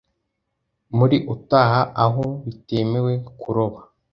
Muri Utah aho bitemewe kuroba